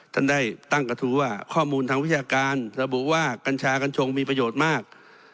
ท่านได้ตั้งกระทู้ว่าข้อมูลทางวิชาการระบุว่ากัญชากัญชงมีประโยชน์มาก